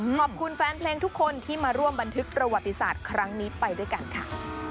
ขอบคุณแฟนเพลงทุกคนที่มาร่วมบันทึกประวัติศาสตร์ครั้งนี้ไปด้วยกันค่ะ